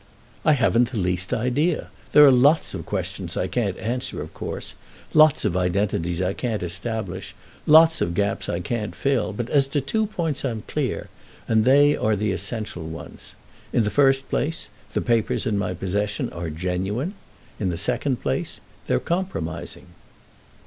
"I haven't the least idea. There are lots of questions I can't answer, of course; lots of identities I can't establish; lots of gaps I can't fill. But as to two points I'm clear, and they are the essential ones. In the first place the papers in my possession are genuine; in the second place they're compromising."